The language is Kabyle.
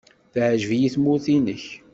Teɛjeb-iyi tmurt-nnek.